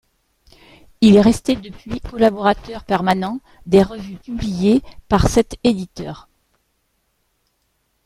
Il est resté depuis collaborateur permanent des revues publiées par cet éditeur.